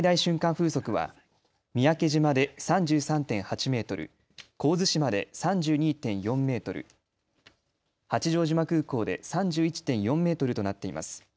風速は三宅島で３３．８メートル、神津島で３２．４メートル、八丈島空港で３１．４メートルとなっています。